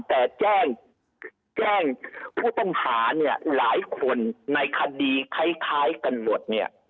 แต่แจ้งผู้ต้องผ่านหลายคนในคดีคล้ายกันหลวด